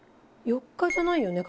４日じゃないよね